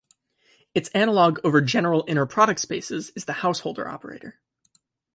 Its analogue over general inner product spaces is the Householder operator.